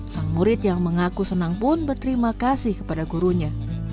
sang murid yang mengaku senang pun berterima kasih kepada gurunya